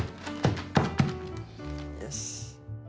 よし。